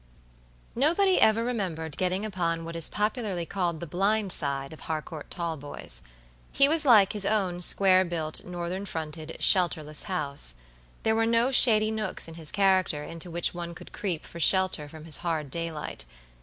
Nobody ever remembered getting upon what is popularly called the blind side of Harcourt Talboys. He was like his own square built, northern fronted, shelterless house. There were no shady nooks in his character into which one could creep for shelter from his hard daylight.